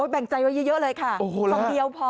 แบ่งใจไว้เยอะเลยค่ะฟองเดียวพอ